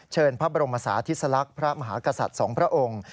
พระบรมศาธิสลักษณ์พระมหากษัตริย์สองพระองค์